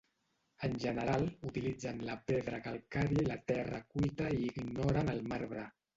En general, utilitzen la pedra calcària i la terra cuita i ignoren el marbre.